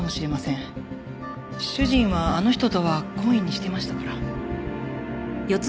主人はあの人とは懇意にしていましたから。